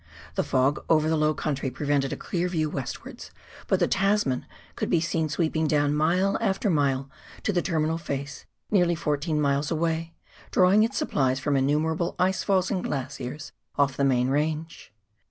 The fog over the low country prevented a clear view westwards, but the Tasman could be seen sweeping down mile after mile to the terminal face nearly fourteen miles away, drawing its supplies from innumerable ice falls and glaciers off the main range.